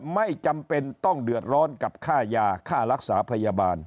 ไม่จำเป็นต้องเดือดร้อนกับค่ายาค่ารักษาพยาบาล